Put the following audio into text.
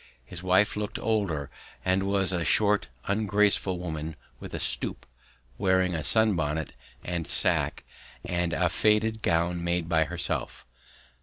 His wife looked older and was a short ungraceful woman with a stoop, wearing a sun bonnet and sack and a faded gown made by herself.